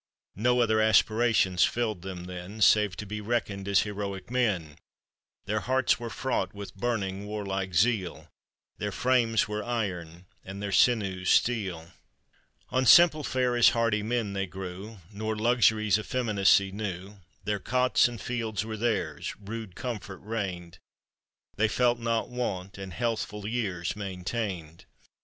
No other aspirations filled them then, Save to be reckoned as heroic men ; Their hearts were fraught with burning war like zeal, Their frames were iron and their shews steel. On simple fare as hardy men they grew, Nor luxury's effeminacy knew; Their cots and fields were theirs, rude comfort reigned, They felt not want, and healthful years maintained.